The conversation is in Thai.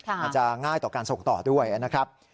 อาจจะง่ายต่อการส่งต่อด้วยนะครับ